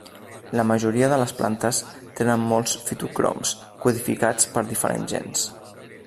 La majoria de les plantes tenen molts fitocroms codificats per diferents gens.